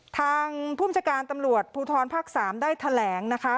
ทางผู้บัญชาการตำรวจภูทรภาค๓ได้แถลงนะคะ